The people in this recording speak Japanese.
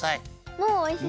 もうおいしそう。